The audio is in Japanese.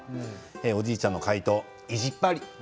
おじいちゃんの回答、意地っ張り